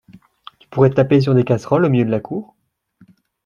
Tu pourrais taper sur des casseroles au milieu de la cour